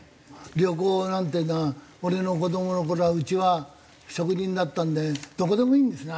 旅行なんていうのは俺の子どもの頃はうちは職人だったんでどこでもいいんですね